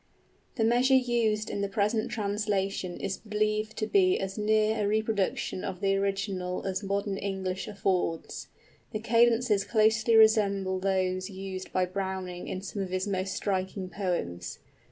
The measure used in the present translation is believed to be as near a reproduction of the original as modern English affords. The cadences closely resemble those used by Browning in some of his most striking poems.